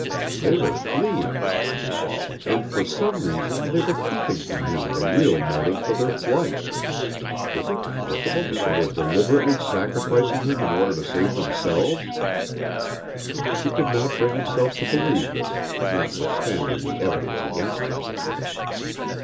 They were fleeing. And for some reason they were keeping from him the real motive for their flight. Was it possible that they were deliberately sacrificing him in order to save themselves? He could not bring himself to believe this, notwithstanding the evidence against them.